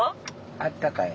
あったかい？